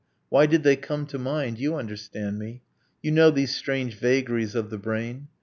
Why did they come to mind? You understand me You know these strange vagaries of the brain!